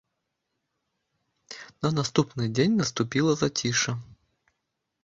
На наступны дзень наступіла зацішша.